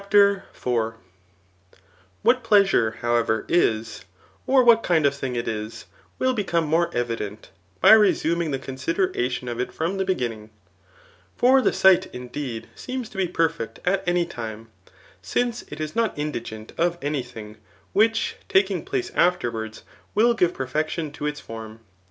BTHies. 377 CHAPTER IV. What pleasure, however, is, or what kind of thing it is, will become more evident, by resuming the consi deratbn of it from the beginning. For the sight, in deed, seems to be perfect at any time ; since it is not indigent of any thing, which, taking place afterwards, will give perfection to its fotm.